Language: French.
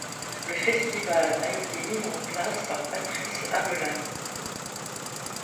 Le festival a été mis en place par Patrice Hamelin.